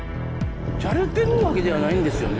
ジャレてるわけではないんですよね？